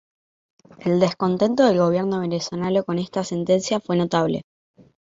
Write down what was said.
El descontento del gobierno venezolano con esta sentencia fue notable.